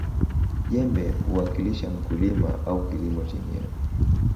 jembe huwakilisha mkulima au kilimo chenyewe